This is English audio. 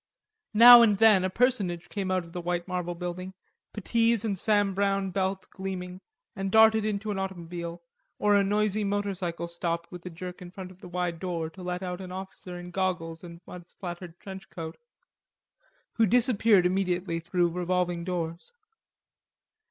Now and then a personage came out of the white marble building, puttees and Sam Browne belt gleaming, and darted into an automobile, or a noisy motorcycle stopped with a jerk in front of the wide door to let out an officer in goggles and mud splattered trench coat, who disappeared immediately through revolving doors.